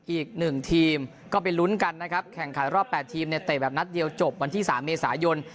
อีกหนึ่งทีมก็ไปลุ้นกันนะครับแข่งขันรอบ๘ทีมเนี่ยเตะแบบนัดเดียวจบวันที่๓เมษายน